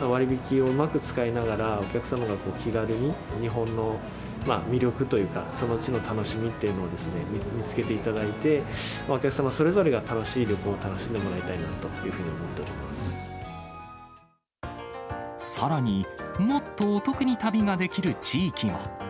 割引をうまく使いながら、お客様が気軽に、日本の魅力というか、その地の楽しみっていうのを見つけていただいて、お客様それぞれが楽しい旅行を楽しんでもらいたいなと思っておりさらに、もっとお得に旅ができる地域も。